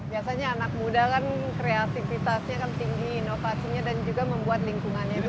biasanya anak muda kan kreativitasnya kan tinggi inovasinya dan juga membuat lingkungannya itu